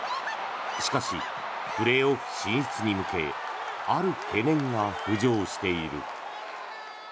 しかし、プレーオフ進出に向けある懸念が浮上している。